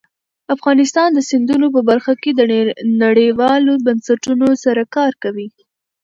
افغانستان د سیندونه په برخه کې نړیوالو بنسټونو سره کار کوي.